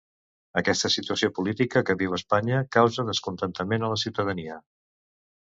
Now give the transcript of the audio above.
Aquesta situació política que viu Espanya causa descontentament a la ciutadania.